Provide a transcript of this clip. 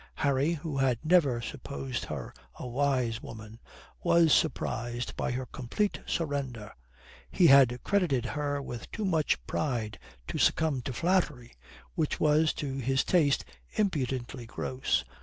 Harry, who had never supposed her a wise woman, was surprised by her complete surrender. He had credited her with too much pride to succumb to flattery, which was to his taste impudently gross.